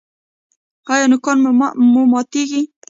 ایا نوکان مو ماتیږي؟